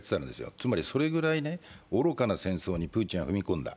つまり、それぐらい愚かな戦争にプーチンは踏み込んだ。